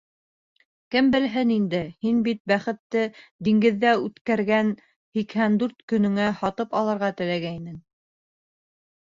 Кем белһен инде! һин бит бәхетте диңгеҙҙә үткәргән һикһән дүрт көнөңә һатып алырға теләгәйнең.